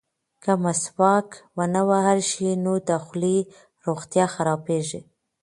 که مسواک ونه وهل شي نو د خولې روغتیا خرابیږي.